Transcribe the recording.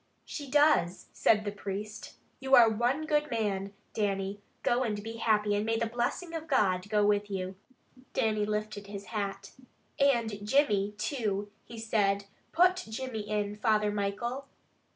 "She does," said the priest. "You are one good man, Dannie, go and be happy, and may the blessing of God go with you." Dannie lifted his hat. "And Jimmy, too," he said, "put Jimmy in, Father Michael."